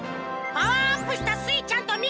パワーアップしたすいちゃんとみきくん。